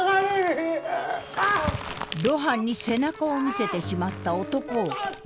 露伴に背中を見せてしまった男を異変が襲う。